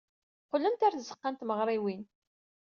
Qqlent ɣer tzeɣɣa n tmeɣriwin.